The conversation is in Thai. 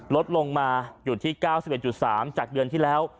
ลดลงมาอยู่ที่เก้าสิบเอ็ดจุดสามจากเดือนที่แล้ว